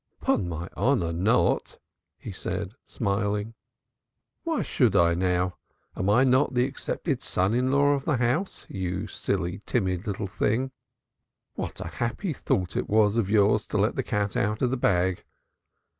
"'Pon my honor, not," he said smiling. "Why should I now? Am I not the accepted son in law of the house, you silly timid little thing? What a happy thought it was of yours to let the cat out of the bag.